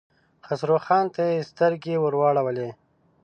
خسرو خان ته يې سترګې ور واړولې.